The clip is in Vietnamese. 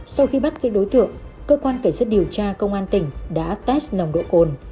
sau khi bắt giữ đối tượng cơ quan cảnh sát điều tra công an tỉnh đã test nồng độ cồn